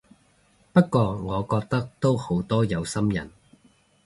不過我覺得都好多有心人